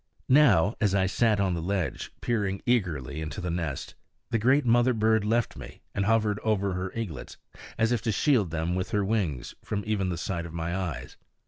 Now, as I sat on the ledge, peering eagerly into the nest, the great mother bird left me and hovered over her eaglets, as if to shield them with her wings from even the sight of my eyes.